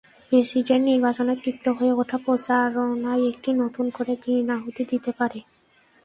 President নির্বাচনের তিক্ত হয়ে ওঠা প্রচারণায় এটি নতুন করে ঘৃতাহুতি দিতে পারে।